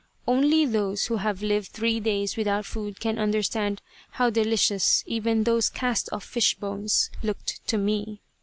Only those who have lived three days without food can understand how delicious even those cast off fish bones looked to me.